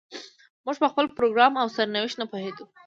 موږ په خپل پروګرام او سرنوشت نه پوهېدو.